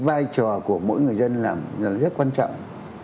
vai trò của mỗi người dân là rất quan trọng